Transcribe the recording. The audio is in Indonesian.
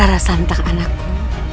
rara santeng anakku